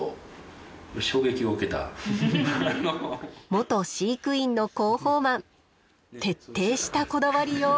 元飼育員の広報マン徹底したこだわりよう。